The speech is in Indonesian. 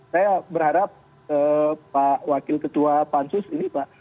saya berharap pak wakil ketua pansus ini pak